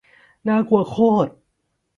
น่ากลัวโคตร